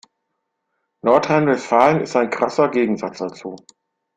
Nordrhein-Westfalen ist ein krasser Gegensatz dazu.